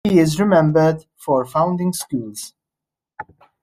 He is remembered for founding schools.